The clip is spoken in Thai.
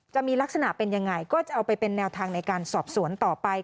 จะมีลักษณะเป็นยังไงก็จะเอาไปเป็นแนวทางในการสอบสวนต่อไป